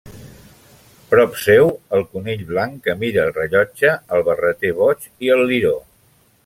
Prop seu, el conill blanc que mira el rellotge, el barreter boig i el liró.